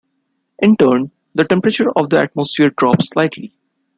In turn, the temperature of the atmosphere drops slightly.